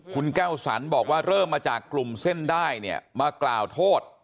คุณแก้วสันบอกว่าเริ่มมาจากกลุ่มเส้นได้เนี่ยมากล่าวโทษ